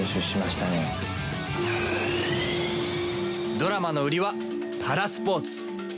ドラマの売りはパラスポーツ。